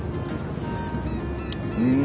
うん。